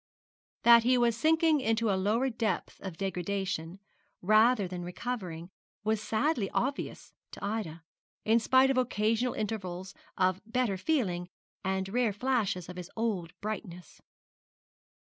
That he was sinking into a lower depth of degradation, rather than recovering, was sadly obvious to Ida, in spite of occasional intervals of better feeling and rare flashes of his old brightness.